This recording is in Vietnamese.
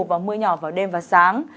và mưa nhỏ vào đêm và sáng